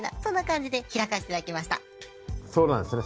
そうなんですね